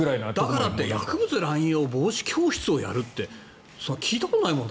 だからって薬物乱用防止教室をやるって聞いたことないもん。